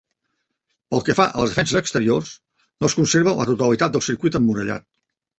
Pel que fa a les defenses exteriors, no es conserva la totalitat del circuit emmurallat.